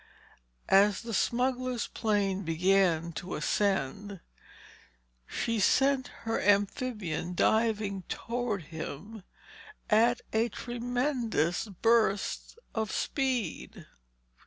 As the smuggler's plane began to ascend, she sent her amphibian diving toward him at a tremendous spurt of speed.